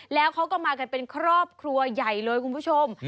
แล้วเขาก็มากันเป็นครอบครัวใหญ่เลยคุณผู้ชม